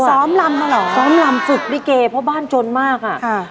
ซ้อมลำเหรอซ้อมลำสุดริเกย์เพราะบ้านจนมากอ่ะ